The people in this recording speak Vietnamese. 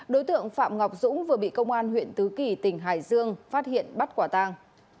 đối tượng phạm ngọc dũng vừa bị công an huyện tứ kỳ tỉnh hải dương phát hiện bắt quả tang